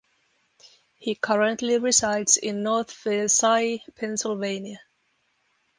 He currently resides in North Versailles, Pennsylvania.